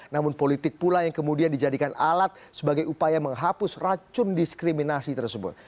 namun politik pula yang kemudian dijadikan alat sebagai upaya menghapus racun diskriminasi tersebut